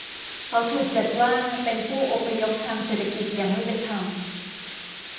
เขาถูกจัดว่าเป็นผู้อพยพทางเศรษฐกิจอย่างไม่เป็นธรรม